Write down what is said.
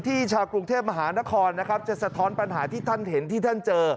ชาวกรุงเทพมหานครนะครับจะสะท้อนปัญหาที่ท่านเห็นที่ท่านเจอ